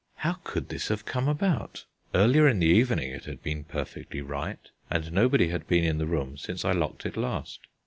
How could this have come about? Earlier in the evening it had been perfectly right, and nobody had been in the room since I locked it last.